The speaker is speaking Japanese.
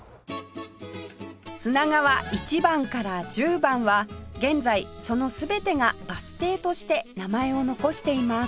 砂川一番から十番は現在その全てがバス停として名前を残しています